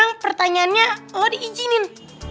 emang pertanyaannya lo diijinin